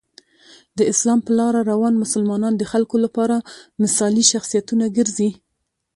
د اسلام په لاره روان مسلمانان د خلکو لپاره مثالي شخصیتونه ګرځي.